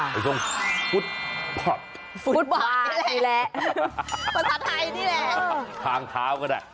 ค่ะฟุตพอปฟุตบานี่แหละภาษาไทยนี่แหละทางท้าว่าได้